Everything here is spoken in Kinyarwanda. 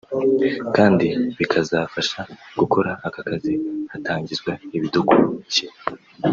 kandi bikazafasha gukora aka kazi hatangizwa ibidukukile